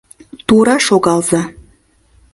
Тура шогалза.